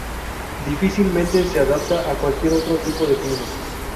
Difícilmente se adapta a cualquier otro tipo de clima.